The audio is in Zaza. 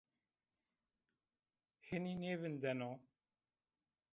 Hinî nêvindeno